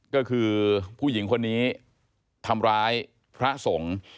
ก็คือผู้หญิงคนนี้ทำร้ายพระสงฆ์